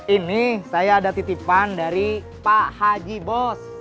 ini saya ada titipan dari pak haji bos